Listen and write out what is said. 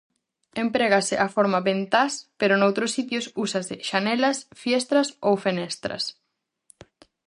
Emprégase a forma "ventás"; pero noutros sitios úsase "xanelas", "fiestras" ou "fenestras".